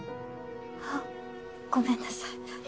あっごめんなさい。